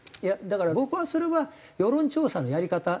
だから僕はそれは世論調査のやり方